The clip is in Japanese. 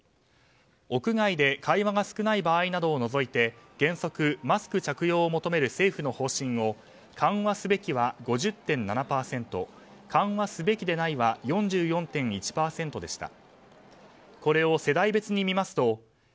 屋外で会話が少ない場合などを除いて原則マスク着用を求める政府の方針を緩和すべきは、５０．７％緩和すべきでないは４４．１％でした。